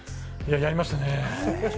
やりましたね。